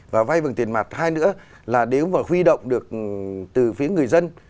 và vay bằng tiền mặt hai nữa là nếu mà huy động được từ phía người dân